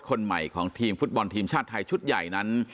คนใหม่ของทีมฟุตบอลทีมชาติไทยชุดใหญ่นั้น